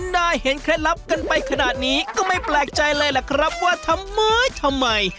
ได้เห็นเคล็ดลับกันไปขนาดนี้ก็ไม่แปลกใจเลยแหละครับว่าทำไมทำไม